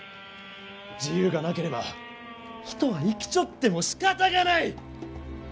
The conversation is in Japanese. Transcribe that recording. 自由がなければ人は生きちょってもしかたがない！